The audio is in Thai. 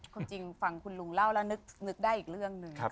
จริงฟังคุณลุงเล่าแล้วนึกได้อีกเรื่องหนึ่ง